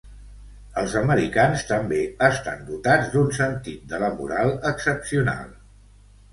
Els americans també estan dotats d'un sentit de la moral excepcional.